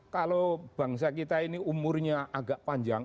kalau bangsa kita ini umurnya agak panjang